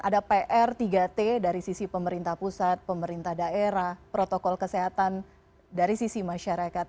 ada pr tiga t dari sisi pemerintah pusat pemerintah daerah protokol kesehatan dari sisi masyarakat